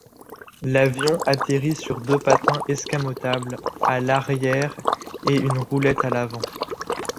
L'avion atterrit sur deux patins escamotables à l'arrière et une roulette à l'avant.